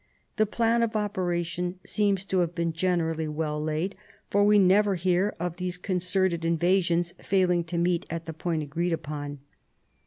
The plan of opera tions seems to have been generally well laid, for we never hear of these concerted invasions failing to meet at the point agreed upon.